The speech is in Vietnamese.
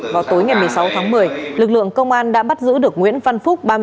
vào tối ngày một mươi sáu tháng một mươi lực lượng công an đã bắt giữ được nguyễn văn phúc